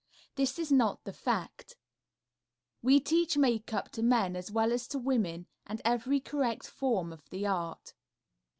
This is not the fact. We teach makeup to men as well as to women, and every correct form of the art.